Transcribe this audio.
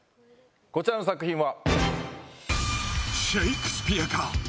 こちらの作品は。